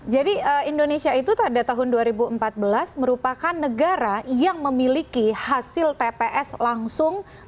jadi indonesia itu pada tahun dua ribu empat belas merupakan negara yang memiliki hasil tps langsung terdokumentasi secara langsung ya